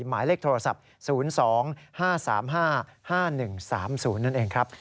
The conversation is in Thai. หมายเลขโทรศัพท์๐๒๕๓๕๕๑๓๐นั่นเองครับ